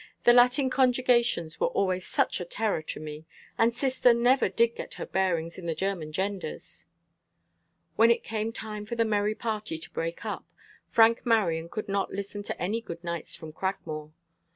"The Latin conjugations were always such a terror to me, and sister never did get her bearings in the German genders." When it came time for the merry party to break up, Frank Marion would not listen to any good nights from Cragmore.